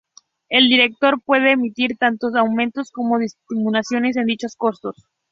El Director puede emitir tanto aumentos como disminuciones en dichos costos.